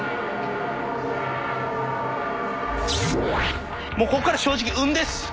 こっから正直運です。